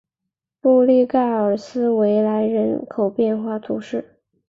布利盖尔斯维莱人口变化图示